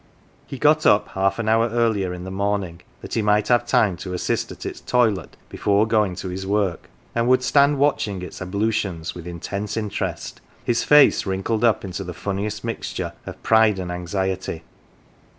He got up half an hour earlier in the morning that he might have time to assist at its toilet before going to his work, and would stand watching its ab lutions with intense interest, his face wrinkled up into the funniest mixture of pride and anxiety.